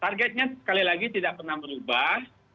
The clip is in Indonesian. targetnya sekali lagi tidak pernah berubah